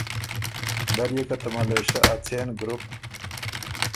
دل يې که ته ملېشۀ ا څېن ګروپ